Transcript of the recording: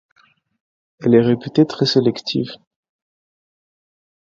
Elle est réputée très sélective.